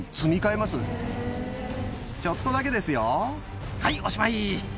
ちょっとだけですよはいおしまい。